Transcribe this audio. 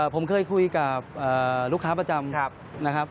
ผมเคยคุยกับลูกค้าประจำนะครับ